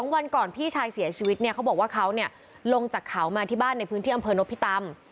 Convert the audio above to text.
วันก่อนพี่ชายเสียชีวิตเนี่ยเขาบอกว่าเขาลงจากเขามาที่บ้านในพื้นที่อำเภอนพิตำ